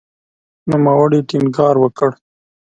نوموړي ټینګار وکړ